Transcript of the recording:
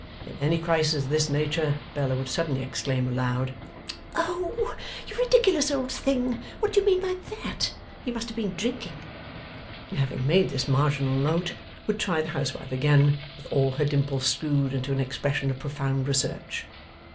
In any crisis of this nature, Bella would suddenly exclaim aloud, 'Oh you ridiculous old thing, what do you mean by that? You must have been drinking!' And having made this marginal note, would try the Housewife again, with all her dimples screwed into an expression of profound research.